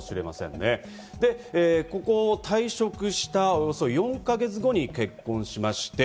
で、ここを退職したおよそ４か月後に結婚しまして。